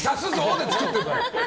で作ってるから。